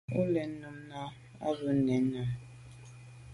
O nèn à mum nà o à bû mèn am.